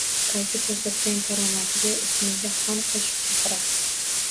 Qaysi ko'rsatgan karomatiga ismiga xon qo'shib chaqirasiz